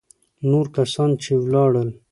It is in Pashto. نور کسان چې ولاړل.